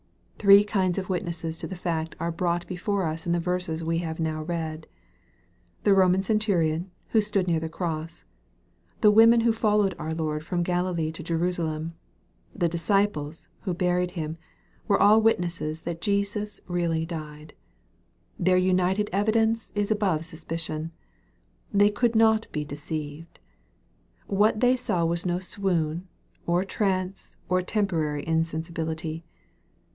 Three kinds of witnesses to the fact are brought before us in the verses we have now read. The Roman centurion, who stood near the cross, the women who followed our Lord from Galilee to Jerusalem, the disciples, who buried Him, were all witnesses that Jesus really died. Their united evidence is above suspicion. They could not be deceived. What they saw was no swoon, or trance, or temporary insensibility.